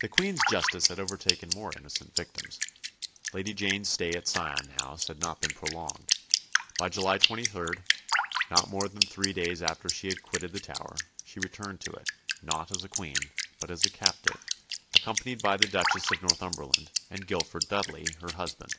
The Queen's justice had overtaken more innocent victims. Lady Jane's stay at Sion House had not been prolonged. By July 23, not more than three days after she had quitted the Tower, she returned to it, not as a Queen, but as a captive, accompanied by the Duchess of Northumberland and Guilford Dudley, her husband.